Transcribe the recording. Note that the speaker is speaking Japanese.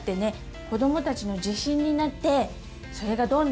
子どもたちの自信になってそれがどんどんね